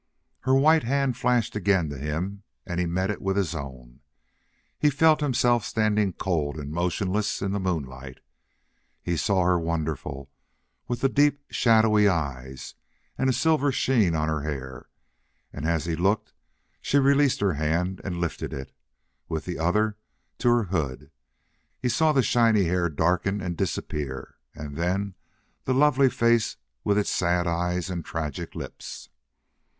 Her white hand flashed again to him, and he met it with his own. He felt himself standing cold and motionless in the moonlight. He saw her, wonderful, with the deep, shadowy eyes, and a silver sheen on her hair. And as he looked she released her hand and lifted it, with the other, to her hood. He saw the shiny hair darken and disappear and then the lovely face with its sad eyes and tragic lips.